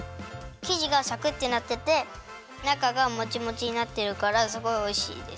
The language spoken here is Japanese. きじがさくってなっててなかがもちもちになってるからすごいおいしいです。